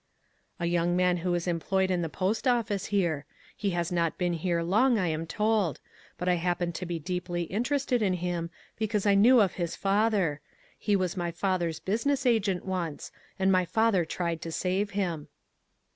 "A young man who is employed in the post office here. He has not been here long, I am told ; but I happen to be deeply in terested in him because I knew of his fa ther. He was my father's business agent once, and my father tried to save him."